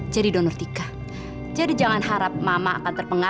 jam segini baru pulang